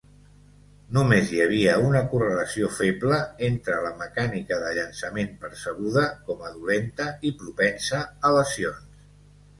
Només hi havia una correlació feble entre la mecànica de llançament percebuda com a dolenta i propensa a lesions.